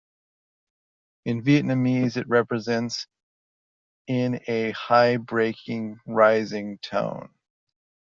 In Vietnamese, it represents in a high breaking-rising tone.